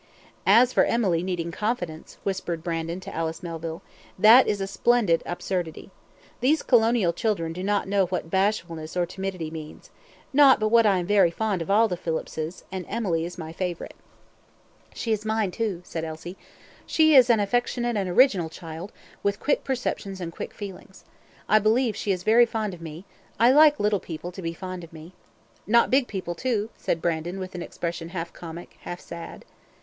"As for Emily needing confidence," whispered Brandon to Alice Melville, "that is a splendid absurdity. These colonial children do not know what bashfulness or timidity means not but what I am very fond of all the Phillipses, and Emily is my favourite." "She is mine, too," said Elsie; "she is an affectionate and an original child, with quick perceptions and quick feelings. I believe she is very fond of me; I like little people to be fond of me." "Not big people, too?" said Brandon, with an expression half comic, half sad.